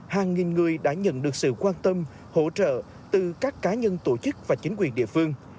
hàng nghìn người đã nhận được sự quan tâm hỗ trợ từ các cá nhân tổ chức và chính quyền địa phương